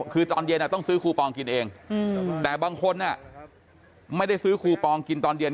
คือตอนเย็นต้องซื้อคูปองกินเองแต่บางคนไม่ได้ซื้อคูปองกินตอนเย็น